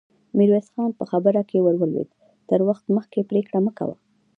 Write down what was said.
ميرويس خان په خبره کې ور ولوېد: تر وخت مخکې پرېکړه مه کوه!